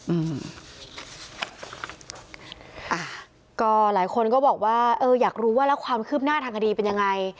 อืมอ่าก็หลายคนก็บอกว่าเอออยากรู้ว่าแล้วความคืบหน้าทางคดีเป็นยังไง